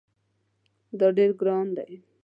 دا ډیر ګران دی